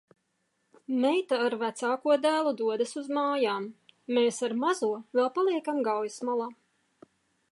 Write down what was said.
Meita ar vecāko dēlu dodas uz mājām. Mēs ar mazo vēl paliekam Gaujas malā.